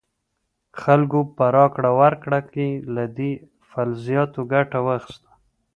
خلکو په راکړه ورکړه کې له دې فلزاتو ګټه واخیسته.